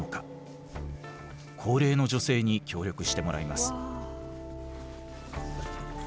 高齢の女性に協力してもらいます。